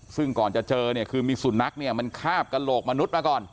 ซึ่งก่อนจะเจอเนี่ยคือมีสุนัขเนี่ยมันคาบกระโหลกมนุษย์มาก่อน